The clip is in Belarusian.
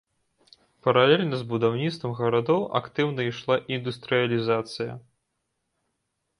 Паралельна з будаўніцтвам гарадоў актыўна ішла індустрыялізацыя.